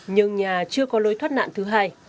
nhưng nhà chưa có lối thoát nạn thứ hai